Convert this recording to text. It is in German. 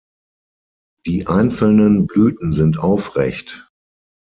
Die einzelnen Blüten sind aufrecht.